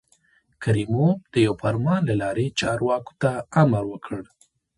کریموف د یوه فرمان له لارې چارواکو ته امر وکړ.